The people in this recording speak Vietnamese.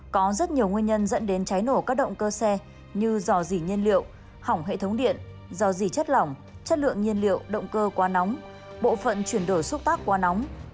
có rất nhiều nguyên nhân dẫn đến cháy nổ các động cơ xe như dò dỉ nhiên liệu hỏng hệ thống điện do dỉ chất lỏng chất lượng nhiên liệu động cơ quá nóng bộ phận chuyển đổi xúc tác quá nóng